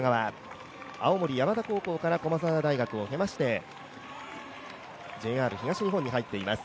青森山田高校から駒澤大学を出ましてＪＲ東日本に入っています